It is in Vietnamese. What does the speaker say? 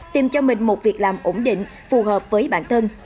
tìm cho mình một việc làm ổn định phù hợp với bản thân